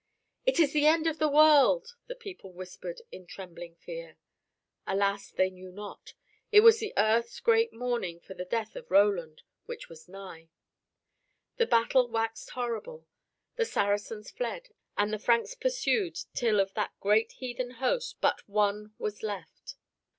"It is the end of the world," the people whispered in trembling fear. Alas, they knew not! It was the earth's great mourning for the death of Roland, which was nigh. The battle waxed horrible. The Saracens fled, and the Franks pursued till of that great heathen host but one was left.